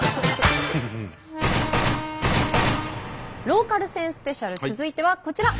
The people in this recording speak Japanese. ローカル線スペシャル続いてはこちら！